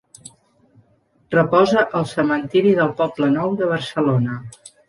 Reposa al Cementiri del Poblenou de Barcelona.